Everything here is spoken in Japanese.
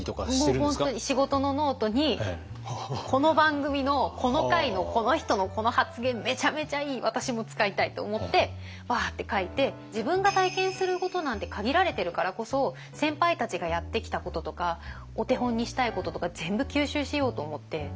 本当に仕事のノートにこの番組のこの回のこの人のこの発言めちゃめちゃいい私も使いたい！と思ってワーッて書いて自分が体験することなんて限られてるからこそ先輩たちがやってきたこととかお手本にしたいこととか全部吸収しようと思って。